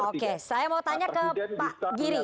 oke saya mau tanya ke pak giri